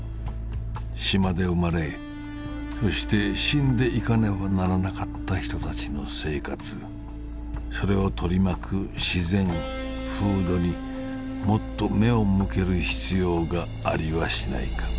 島で生まれそして死んでいかねばならなかった人たちの生活それを取り巻く自然・風土にもっと眼を向ける必要がありはしないか」。